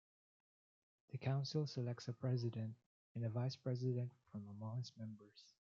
The Council selects a President and a Vice President from among its members.